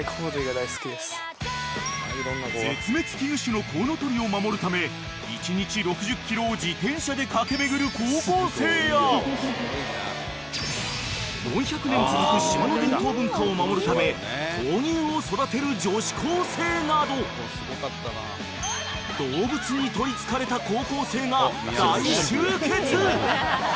［絶滅危惧種のコウノトリを守るため１日６０ｋｍを自転車で駆け巡る高校生や４００年続く島の伝統文化を守るため闘牛を育てる女子高生など動物に取りつかれた高校生が大集結！］